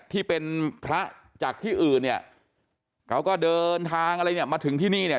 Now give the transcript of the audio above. ที่เป็นพระจากที่อื่นเนี่ยเขาก็เดินทางอะไรเนี่ยมาถึงที่นี่เนี่ย